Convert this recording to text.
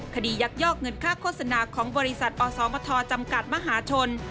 ยักยอกเงินค่าโฆษณาของบริษัทอสมทจำกัดมหาชน